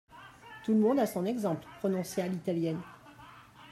Tout le monde à son exemple, prononçait à l'italienne.